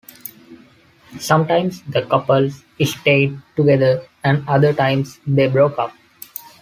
Sometimes the couples stayed together, and other times they broke up.